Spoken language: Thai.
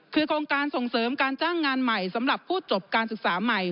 คือโครงการส่งเสริมการจ้างงานใหม่สำหรับผู้จบการศึกษาใหม่